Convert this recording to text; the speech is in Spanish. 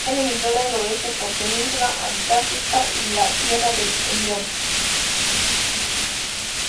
Está limitada al oeste por la península Antártica y la Tierra de Ellsworth.